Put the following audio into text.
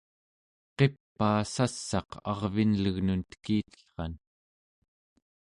qipaa sass'aq arvinlegnun tekitellran